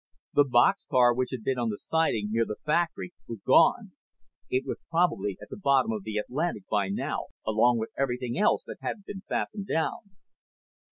The boxcar which had been on the siding near the factory was gone. It was probably at the bottom of the Atlantic by now, along with everything else that hadn't been fastened down.